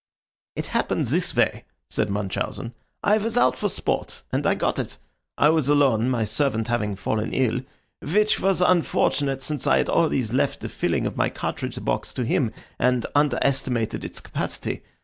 "It happened this way," said Munchausen. "I was out for sport, and I got it. I was alone, my servant having fallen ill, which was unfortunate, since I had always left the filling of my cartridge box to him, and underestimated its capacity.